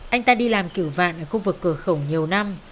anh ta đi làm cửu vạn ở khu vực cửa khổng nhiều năm